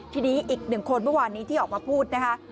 ทีนี้อีกหนึ่งคนเมื่อวานนี้ที่ออกมาพูดนะคะ